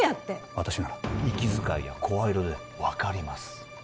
私なら息遣いや声色で分かります